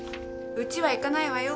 うちは行かないわよ。